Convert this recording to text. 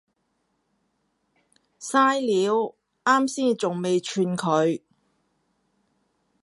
曬料，岩先仲未串佢